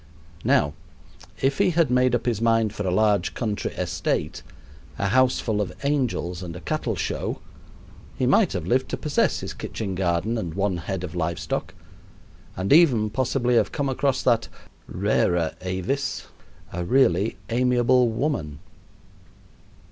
Now, if he had made up his mind for a large country estate, a houseful of angels, and a cattle show, he might have lived to possess his kitchen garden and one head of live stock, and even possibly have come across that rara avis a really amiable woman.